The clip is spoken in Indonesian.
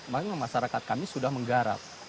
maka masyarakat kami sudah menggarap